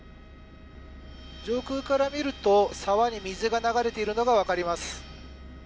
上空から見ると沢に水が流れているのがわかります。